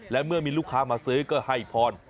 และเมื่อมีลูกค้ามาซื้อก็ให้พร